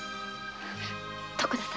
徳田様。